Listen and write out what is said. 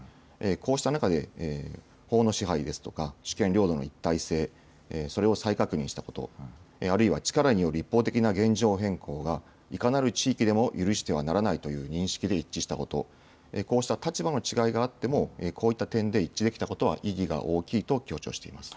こうした中で、法の支配ですとか、主権、領土の一体性、それを再確認したこと、あるいは力による一方的な現状変更が、いかなる地域でも許してはならないという認識で一致したこと、こうした立場の違いがあっても、こういった点で一致できたことは意義が大きいと強調しています。